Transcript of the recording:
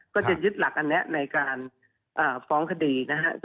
ก็จะยึดหลักอันนี้ในการฟ้องคดีนะครับ